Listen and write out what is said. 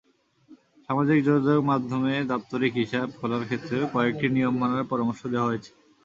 সামাজিক যোগাযোগ মাধ্যমে দাপ্তরিক হিসাব খোলার ক্ষেত্রেও কয়েকটি নিয়ম মানার পরামর্শ দেওয়া হয়েছে।